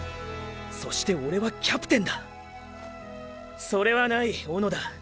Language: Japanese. そしてオレはキャプテンだそれはない小野田。